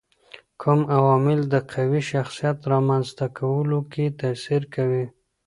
کوم عوامل د قوي شخصيت رامنځته کولو کي تاثیر کوي؟